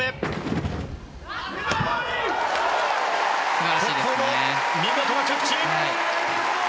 ここも見事な着地！